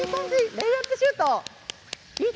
レイアップシュート。